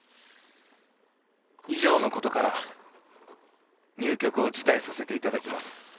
「以上のことから入局を辞退させていただきます」